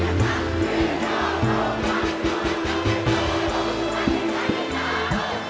yang dinyanyikan ya lagu dalam bahasa jawa saja yang benar